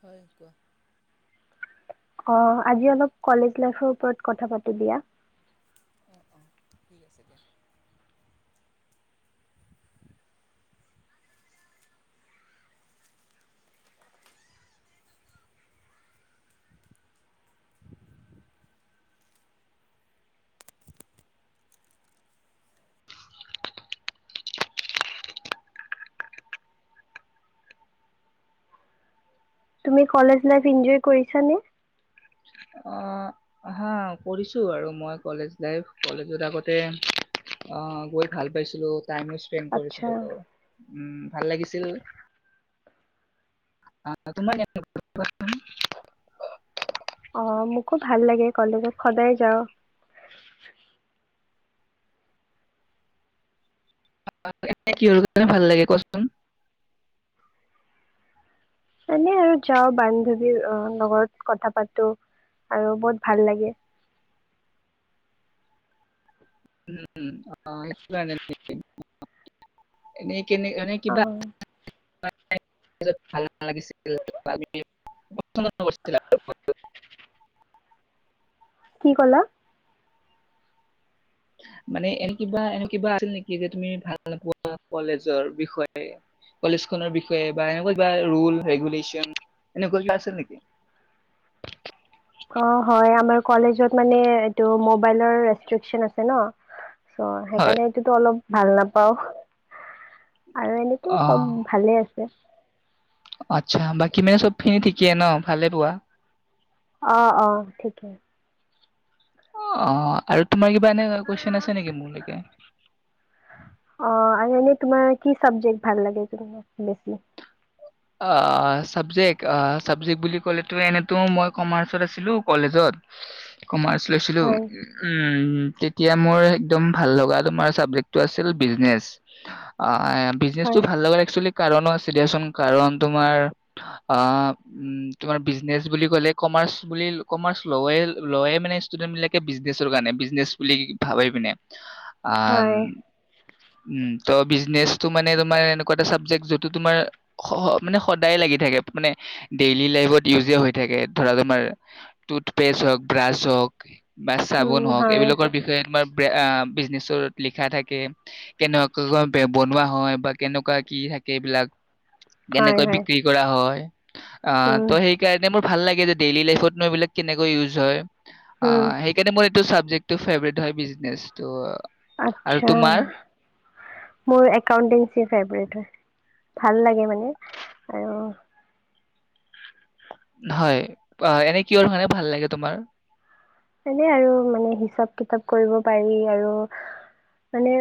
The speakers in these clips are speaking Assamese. হয়ক অ আজি অলপ কলেজ লাইফৰ ওপৰত কথা পাতো দিয়া অ অ ঠিক আছে দিয়া তুমি কলেজ লাই এনজয় কৰিছানে হা কৰিছোঁ আৰু মই কলেজ লাইফ কলেজত আগতে গৈ ভাল পাইছিলোঁ টাইমো স্পেণ্ড আচ্ছা কৰিছিলো আ উ ভাল লাগিছিল অ তোমাৰ অ মোকো ভাল লাগে কলেজত সদায় যাওঁ কিহৰ গানে ভাল লাগে কচোন এনে আৰু যাও বান্ধৱী লগৰত কথা পাতো আৰু বহুত ভাল লাগে উম অ সেইটোৰ কাৰণে এনে কেনে মানে অ কিবা ভাল ভাল লাগিছিল কৰিছিল কি ক'লা মানে এনে কিবা এনে কিবা আছিল নেকি যে তুমি ভাল নপোৱা কলেজৰ বিষয়ে কলেজ খনৰ বিষয়ে বা এনেকুৱা কিবা লো ৰেগুলেশচন এনেকুৱা কিবা আছিল নেকি অ হয় আমাৰ কলেজত মানে এইটো মবাইলৰ ৰেষ্ট্ৰিকচন আছে ন চ' হয় সেইকাৰণে এইটোতো অলপ ভাল নাপাওঁ আৰু এনেতো চব অ' ভালে আছে উম আচ্ছা বাকী মানে চব খিনি ঠিকেই ন ভালে পোৱা অ অ ঠিকেই অ অ আৰু তোমাৰ কিবা এনে কুৱেশন আছে নেকি মোৰ লৈকে অ আৰু এনে তোমাৰ কি চাবজেক্ট ভাল লাগে বেছি অ চাবজেক্ট অ চাবজেক্ট বুলি কলেতো এনেতো মই কমাৰ্চত আছিলো কলেজত কমাৰ্চ লৈছিলো হয় উম তেতিয়া মোৰ একদম ভাল লগা তোমাৰ চাবজেক্টটো আছিল বিজনেচ বিজনেছ টো হয় ভাল লগাৰ একচলি কাৰণ আছিল ৰিয়াচোন কাৰণ তোমাৰ অ উম তোমাৰ বিজনেচ বুলি কলে কমাৰ্চ বুলি কমাৰ্চ লয় লয় মানে ষ্টুডেন্ট বিলাকে বিজনেচ কাৰণে বিজনেচ বুলি ভাবি পিনে অ হয় উম ত বিজনেছটো মানে তোমাৰ এনেকুৱা এটা চাবজেক্ট যিটো তোমাৰ মানে সদায় লাগি থাকে মানে ডেইলি লাইফত ইউজে হৈ থাকে ধৰা তোমাৰ টুথপেষ্ট হওক ব্ৰাছ হওক বা চাবোন হওক হয় এইবিলাকৰ বিষয়ে তোমাৰ বিজনেচত লিখা থাকে কেনেকুৱা বনোৱা হয় বা কেনেকুৱা কি থাকে এইবিলাক হয় কেনেকৈ হয় বিক্ৰী কৰা হয় অ ত সেইকাৰে মোৰ ভাল লাগে যে ডেইলী লাইফত এইবিলাক কেনেকৈ ইউজ হয়। অ সেইকাৰণে মই এইটো চাবজেক্টটো ফেভৰেট হয় বিজনেছতো আচ্ছা মোৰ একাওটেনচিপ ফেবেৰিত হয় ভাল লাগে মানে আৰু হয় এনে কিয় কাৰণে ভাল লাগে তোমাৰ এনে আৰু মানে হিচাপ কিতাপ কৰিব পাৰি আৰু মানে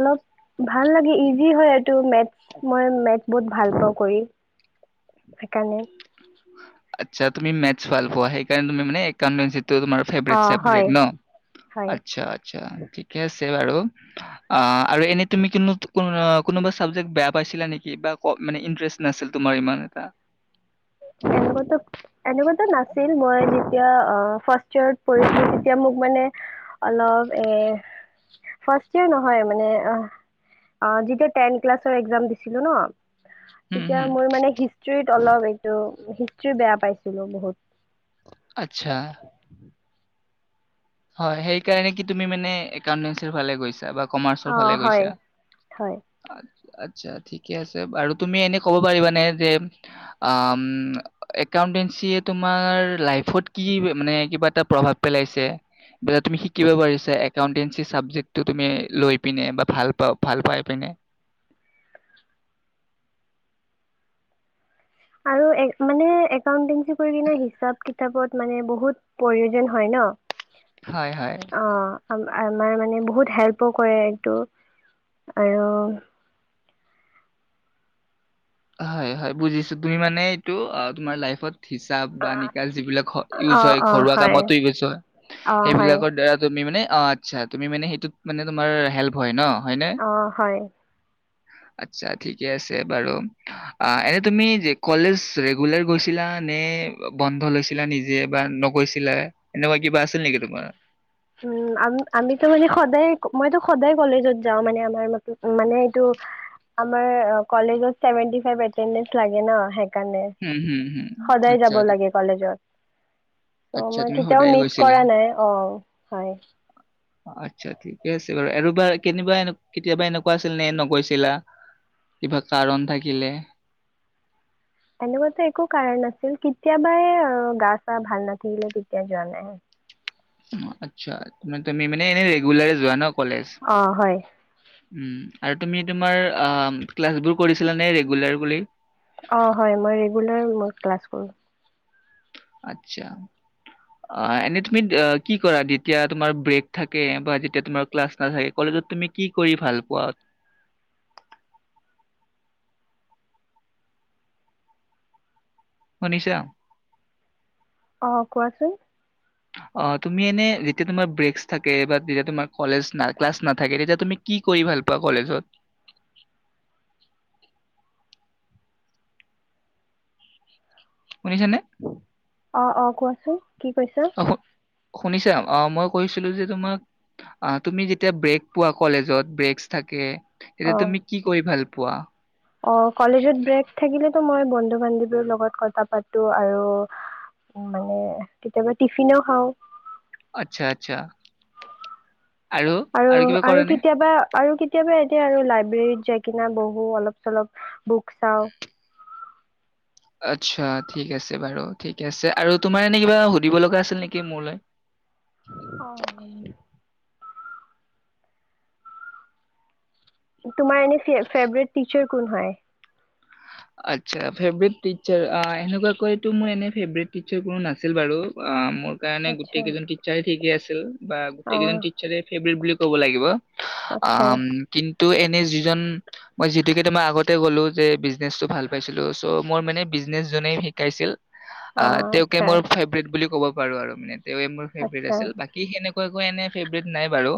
অলপ ভাল লাগে ইজি হয় এইটো মেচ মই মেচ বহুত ভাল পাওঁ কৰি সেইকাৰণে আচ্ছা তুমি গনিত ভাল পোৱা সেইকাৰণে তুমি মানে একাউণ্ট এই তোমাৰ ফেবৰেট অঁ চাপজেক হয় ন হয় আচ্ছা ঠিকে আছে বাৰু আৰু এনে কোনোবা বেয়া পাইছিলা নেকি ইষ্ট নাছিল তোমাৰ ইমান এটা এনেকুৱো এনেকুৱাতো নাচ আ মই যেতিয়া ফাৰ্ষ ইয়েৰত পঢ়িছিলো তেতিয়া মোক মানে অলপ এ ফাৰয়েৰ নহয় মানে অ যেতিয়া টেন ক্লাৰ একাম দিছিলো ন হুম, তেতিয়া হুম। মোৰ মানে হিষ্ট্ৰত অলপ হিষ্ট্ৰ্ৰী বেয়া পাইছিলো বহুত আচ্ছা হয় সেই কাৰণে কি তুমি মানে একাউটে ফালে গৈছা বা কমাৰ্চৰ অ ফালে হয় গৈছা? হয় আচ্ছা, আচ্ছা ঠিকে আছে আৰু তুমি এনে ক'ব পাৰিবানে যে একাউন্টেঞ্চিয়ে তোমাৰ লাইফত কি মানে কিবা এটা প্ৰভাৱ পেলাইছে তুমি শিকিব পাৰিছা একাউন্টেঞ্চি চাবজেক্টটো তুমি লৈ পিনে বা ভাল পা ভাল পাই পিনে আৰু মানে একাউটে কৰি কি হিচাপ কিতাপত মানে বহুত প্ৰয়োজন হয় হয়, হয়। ন অ আ আমাৰ মানে বহুত হেল্পো কৰে এইটো আৰু হয় হয় বুজিছো তুমি মানে এইটো অ তোমাৰ লাইফত হিচাব বা নিকচ যিবিলাক ইউজ অ', হয় অ', ঘৰুৱা হয়, কামতো ইউজ হয় অ', হয়, সেইবিলাকৰ দ্বাৰা তুমি মানে অ আচ্ছা তুমি মানে সেইটোত মানে তোমাৰ হেল্প হয় ন অ হয় আত্ছা ঠিকে আছে বাৰু অ এনে তুমি যে কলেজ ৰেগুলাৰ গৈছিলা নে বন্ধ লৈছিলা নিজে বা নগৈছিলা এনেকুৱা কিবা আছিল নেকি তোমাৰ উ আমি ত মানই সদায় কলেজত জাও মানে আমাৰ মানে আমাৰ কলেজৰ শাতপাচ পইকচটিক এটেনেছ লাগে সেই কাৰণে ণ হুম, হুম, হুম। সদায় আচ্ছা, যাব তু- লাগে কলেজত চ আচ্ছা মই তুমি কেতিয়াও সদায় মিচ গৈছিলা। কৰা নাই অ ব আচ্ছা ঠিকে আছে বাৰু আৰুবাৰ কেনিবা এ কেতিয়াবা এনেকুৱা আছিল নে নগৈছিলা কিবা কাৰণ থাকিলে এনেকুৱাাতো একো কাৰণ নাছিল কেতিয়াবাই গা চা ভাল নাথাকিলে তেতিয়া যোৱা নাই অ আচ্ছা ত তুমি মানে এনেই ৰেগুলাৰ যোৱা ন কলেজ অ হয় উম আৰু তুমি তোমাৰ অ ক্লাছ বোৰ কৰিছিলা নে ৰেগুলাৰ বুলি অ হয় মই ৰেগুলাৰ মই ক্লাছ কৰোঁ আছা এনে তুমি কি কৰা যেতিয়া তোমাৰ ব্ৰেক থাকে বা যেতিয়াাৰ ক্লাছ নাথে কলেজ তুমি কি কৰি ভাল পোৱা মনিষা আহ কোৱাচোন আহ তুমি এনে যেতিয়া তোমাৰ ব্ৰেক থাকে বা যেতিয়া তোমাৰ কলেজ ন ক্লাছ নাথাকে তেতিয়া তুমি কি কৰি ভাল পোৱা কলেজত শুনিছ ননে অঁ অঁ কোৱাচোন কি কৈছা অ শু শুনিছা অ মই কৈছিলো যে তোমাক তুমি যেতিয়া ব্ৰেক পোৱা কলেজত ব্ৰকচ থাকে অ এতিয়া তুমি কি কৰি ভাল প পোৱা অ কলেজত ব্ৰেক থাকিলোটো মই বন্ধু বান্ধৱ লগত কথা পাতো আৰু মানে কেতিয়াবা টিফিনো খাওঁ আচ্ছা আচ্ছা আৰু কিবা কৰে আৰু নে? কেতিয়াবা আৰু কেতিয়াবা আৰু লাইব্ৰেৰীত যাই কিনা বহু অলপ চলপ বুক চাওঁ আচ্ছা ঠিক আছে বাৰু ঠিক আছে আৰু তোমাৰ এনে কিবা সুধিব লগা আছিল নেকি মোৰলৈ অ তোমাৰ এনে ফেৱৰেত টিচাৰ কোন হয় আটচা ফেভৰেত টিচাৰ এনেকুৱাকো মোৰ এনে ফেভট টিচাৰ কোনো নাছিল বাৰু মোৰ কাৰণে আচ্ছা গোটেইজন টচাৰ ঠিকে আছে [unintelligible] বা অ গোটেই কেইজন তিচাৰে ফেভৰেত বুলি ক'ব লাগিব আচ্ছা উ কিন্তু টো এনেই যিজন মই যিটোকে মই আগতে গ'লো যে বিজনেচটো ভাল পাইছিলো চ' মোৰ মানে বিজনেচ জোনেই শিকাইছিল অ তেওঁকে মোৰ ফেভৰেত বুলি ক'ব বাৰু আৰু মিনিত তেওয়ে মোৰ ফেভট আচ্ছা আছিল বাকী হেনেকো একো এনে ফেভট নাই বাৰু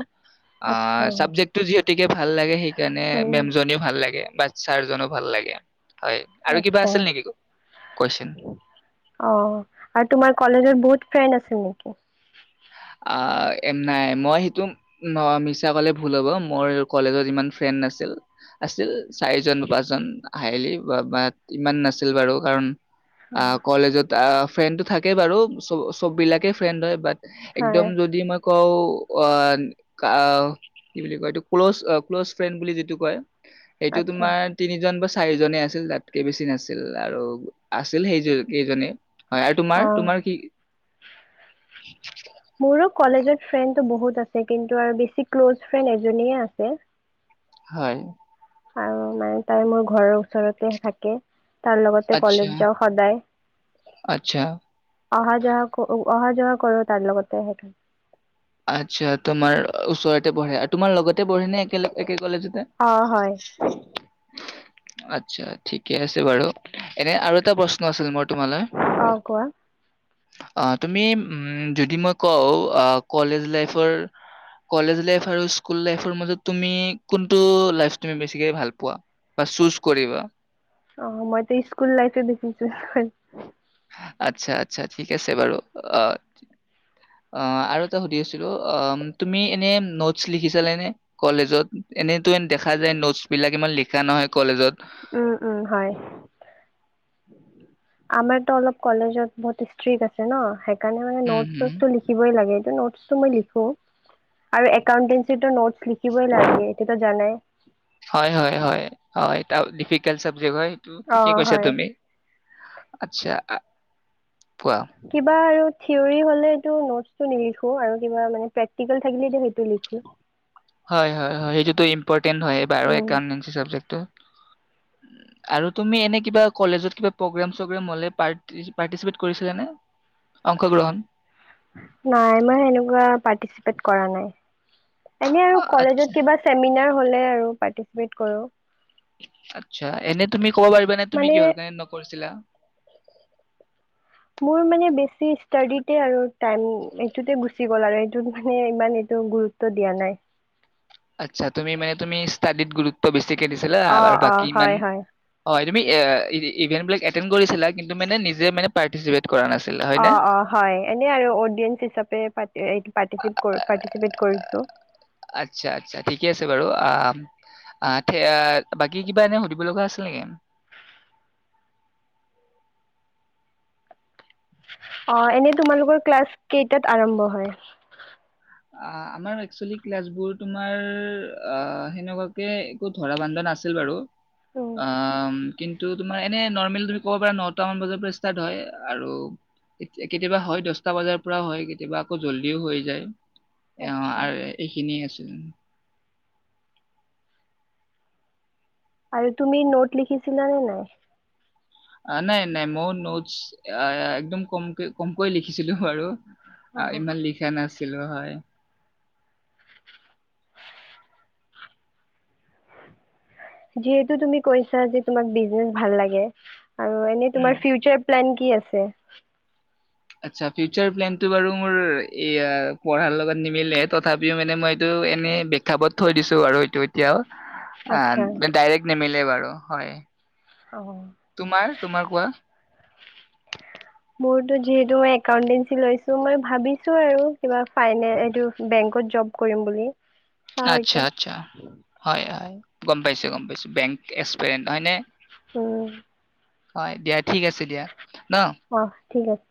অ আচ্ছা চাবজেক্টটো যিহেতুকে ভাল লাগে সেইকাৰণে মেম উম জনী ভাল লাগে বাচ্ছাৰ জনো ভাল লাগে হয় আৰু কিবা আচ্ছা আছিল নেকি কোযেনচোন কলেজৰ বহুত ফ্ৰেণ্ড আছিল নেকি অ নাই মই সেইটো মিছা কলে ভুল হ'ব মোৰ কলেজত ইমান ফ্ৰেণ্ড নাছিল আছিল চাৰিজন পাঁচজন হাইলি ইমান নাছিল বাৰু কাৰণ অ কলেজত ফ্ৰেণ্ডটো থাকে বাৰু চব চব বিলাকে ফ্ৰেণ্ড হয় বাট একদম হয় যদি মই কৌ অ কি বুলি কয় এইটো ক্ল'জ ক্ল'জ ফ্ৰেণ্ড বুলি যিটো কয় এইটো আচ্ছা তোমাৰ তিনিজন বা চাৰি চাৰিজনেই আছিল তাতকে বেছি নাছিল আৰু আছিল সেইকেইজনে হয় আৰু তোমাৰ অ তোমাৰ কি মোৰো কলেজত ফ্ৰেণ্ডটো বহুত আছে কিন্তু আৰু বেছি ক্ল'জ ফ্ৰেণ্ড এজনে আছে হয় আৰু মানে তাই মোৰ ঘৰৰ ওচৰতে থাকে তাৰ লগতে আচ্ছা কলেজ যাওঁ সদায় আচ্ছা অহা যোৱা অহা যোৱা কৰো তাৰ লগতে সেইকাৰণে আচ্ছা তোমাৰ ওচৰতে বঢ়ে আৰু তোমাৰ লগতে পঢ়ে নে একেলগ একেখন কলেজতে অ' হয় আচ্ছা ঠিকে আছে বাৰু এনে আৰু এটা প্ৰশ্ন আছিল মোৰ তোমালৈ অ কোৱা অ তুমি উম যদি মই কওঁ আহ কলেজ লাইফৰ কলেজ লাইফ আৰু স্কুল লাইফৰ মাজত তুমি কোনটো বেছিকৈ ভালপোৱা বা ছোচ কৰিবা অ মইত স্কুল লাইফ বেছি এইচ কৰিম আচ্ছা আচ্ছা ঠিক আছে বাৰু অ অ আৰু সুধি আছিলো অ তুমি এনে নোটচ লিখিচিলানে নে কলেজত এনে দেখা যায় নোটছ বিলাক ইমান লিখ লিখানহয় কলেজত উ উম হয়। [unintelligible] আমাৰতো অলপ কলেজত বহুত ষ্ট্ৰিক্ আছে ন সেই কাৰণে মানে উম, নোট হুম, টো লিবই লাগে এইটো ন লিখো আৰু একাউটেচিটো নোটছ লিখিবই লাগে সেইটো জানাই হয় হয় হয় হয় এ ডিফিক হয়টো ঠিকে অ' কৈছা হয়। তুমি আচ্ছা কোৱা। কিবা আৰু থিয়ৰী হ'লেটো নোটটো নিখো আৰুি কিবা প্ৰেক্টিক থাকিলেটো লিখো হয় হয় হয় সেইতোটো ট্ৰেড হয় উম। একাউনট্ৰেড চাবজেকটো আৰু তুমি এনে কিবা কলেজত কিবা প্ৰগ্ৰেম চগ্ৰম হলে প্ৰাতিচিপেত কৰিছিলা নে অংশগ্ৰহণ নাই মই সেনেকুৱা পাৰটিচিপেট কৰা নাই এনে আৰু আচ্ছা কলেজত কিবা চেমিনাৰ হ'লে আৰু পাৰ্টিচিপেট কৰোঁ আচ্ছা এনে তুমি কব পাৰিবাানে তুমি মানে কিহৰ কাৰণে নকৰিছিলা মোৰ মানে বেছি ষ্টাডিতে আৰু টাইম এইটোতে গুচি গল আৰু এইটোতে মানে ইমান এইটো গুৰুত্ব দিয়া নাই আচ্ছা তুমি মানে তুমি ষ্টাডিত গুৰুত্ব বেছিকে দিছিলা অ', বাকী অ', ইমান হয়, হয়। হয় তুমি ইভেণ্টবিলাক এটেণ্ড কৰিছিলা কিন্তু মানে নিজে মানে পাৰ্টিচিপেট কৰা নাছিলা অ হয়নে? অ হয় এনে আৰু অডিয়েন্ঞ্চ হিচাপে পা পাটিছিপ ক পাৰ্টিচিপেট কৰিছো আচ্ছা আচ্ছা ঠিকে আছে বাৰু বাকী কিবা এনে সুধিব লগা আছিল নেকি অ এনে তোমালোকৰ ক্লাছ কেইটাত আৰম্ভ হয় অ আমাৰ একচুৱেলি ক্লাছবোৰ তোমাৰ অ সেনেকুৱাকে একো ধৰা বান্ধা নাছিল বাৰু উম, অমম্ কিন্তু তোমাৰ এনে নৰ্মেল তুমি ক'ব পাৰা নটা মান বজাৰ পৰা ষ্টাৰ্ট হয় আৰু কেতিয়াবা হয় দহটা বজাৰ পৰা হয় কেতিয়াবা আকৌ জল্দিও হৈ যায় অ আচ্ছা আৰু এইখিনিয়ে আছে উম আৰু তুমি নোট লিখিছিলা নে নাই অ নাই নাই মই নোটছ একদম কমক কমকৈ লিখিছিলো বাৰু অ'। ইমান লিখা নাছি কিলো হয় যিহেতু তুমি কৈছা যে তোমাক বিজনেচ ভাল লাগে আৰু এনেই উম, তোমাৰ ফিউচাৰ প্লেন কি আছে আচ্ছা ফিউচাৰ প্লেনটো বাৰু মোৰ এয়া পঢ়াৰ লগত নিমিলে তথাপিও মানে মই এইটো এনে বিখ্যাপত থৈ দিছো আৰুটো এতিয়াও আচ্ছা আঃ ডাইৰেক্ট নিমিলে বাৰু, হয়, অ '- তোমাৰ-তোমাৰ কোৱা? মোৰতো যিহেতু মই একাউন্টেঞ্চি লৈছো মই ভাবিছো আৰু, কিবা ফাইনে এইটো বেংকত, জব কৰিম বুলি। চাওঁ আচ্ছা- এতিয়া আচ্ছা, হয়- হয় গম পাইছো, গম পাইছো বেংক এক্সপেন হয়নে? উম', হয় দিয়া, - ঠিক আছে, দিয়া ন', অ ঠিক আছে।